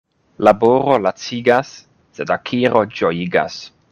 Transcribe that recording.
Laboro lacigas, sed akiro ĝojigas.